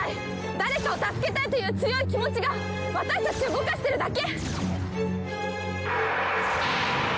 誰かを助けたいという強い気持ちが私たちを動かしてるだけ！